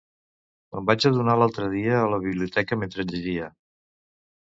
Me'n vaig adonar l'altre dia a la biblioteca mentre llegia.